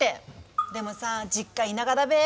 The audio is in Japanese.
でもさ実家田舎だべ。